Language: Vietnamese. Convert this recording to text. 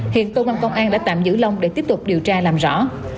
hiện tôn văn công an đã tạm giữ lông để tiếp tục điều tra làm rõ